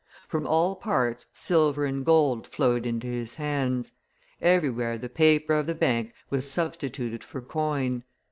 From all parts silver and gold flowed into his hands; everywhere the paper of the Bank was substituted for coin.